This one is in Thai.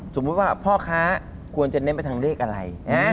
สมมุติว่าพ่อค้าควรจะเน้นไปทางเลขอะไร